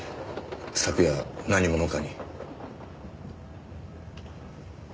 昨夜何者かに。